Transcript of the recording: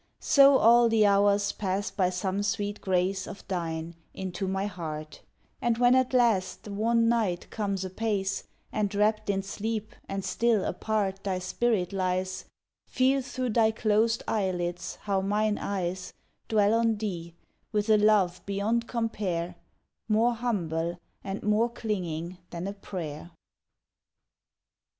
So all the hours pass by some sweet grace Of thine, into my heart; And when at last the wan night comes apace And rapt in sleep and still, apart, Thy spirit lies, Feel thro' thy closed eyelids how mine eyes Dwell on thee with a love beyond compare, More humble and more clinging than a prayer.